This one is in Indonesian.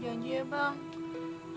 janji ya bang